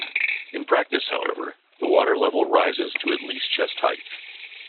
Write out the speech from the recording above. In practice, however, the water level rises to at least chest height.